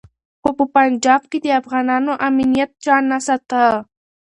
خو په پنجاب کي د افغانانو امنیت چا نه ساته.